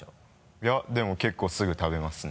いやでも結構すぐ食べますね。